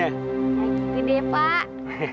ya gitu deh pak